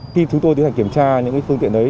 khi chúng tôi tiến hành kiểm tra những phương tiện đấy